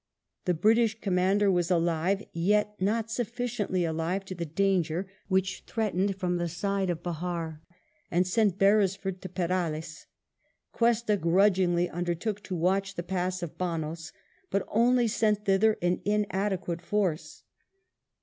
The British commander was alive, yet not sufficiently alive to the danger which threatened from the side of Bejar, and sent Beresf ord to Perales ; Cuesta grudgingly under took to watch the pass of Banos, but only sent thither an inadequate force.